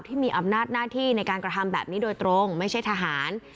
ที่มีอำนาจหน้าที่ในการกระทำแบบนี้โดยตรงไม่ใช่ทหาร